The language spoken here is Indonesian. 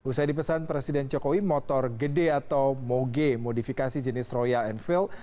usai dipesan presiden jokowi motor gede atau moge modifikasi jenis royal enfield